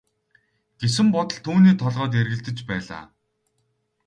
гэсэн бодол түүний толгойд эргэлдэж байлаа.